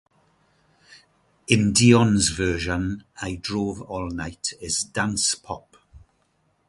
In Dion's version, "I Drove All Night" is dance-pop.